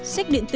sách điện tử